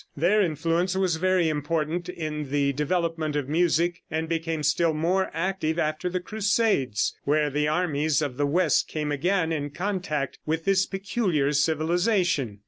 Their influence was very important in the development of music, and became still more active after the crusades, where the armies of the west came again in contact with this peculiar civilization.